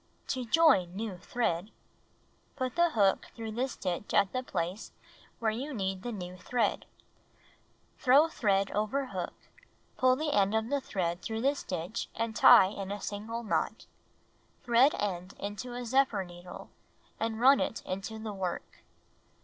To Join New Thread Put the hook through the stitch at the place where you need the new thread. Throw thread over hook, and pull the end of the thread through the stitch and tie in a single knot. Thread ^tUH klDOlk. t!^^< ^ i"to a zephyr needle, and run it into the work.''